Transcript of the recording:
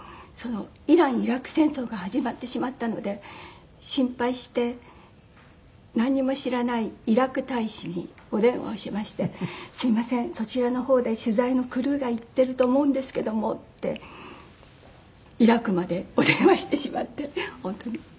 イラン・イラク戦争が始まってしまったので心配してなんにも知らないイラク大使にお電話をしまして「すみませんそちらの方で取材のクルーが行ってると思うんですけども」ってイラクまでお電話してしまって本当に。